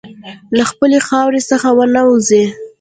له خپلې خاورې څخه ونه وځې.